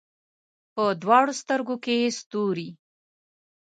په دواړو سترګو کې یې ستوري